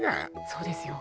そうですよ。